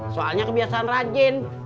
soalnya kebiasaan rajin